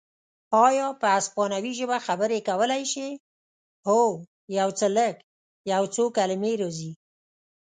ایا په اسپانوي ژبه خبرې کولای شې؟ هو، یو څه لږ، یو څو کلمې راځي.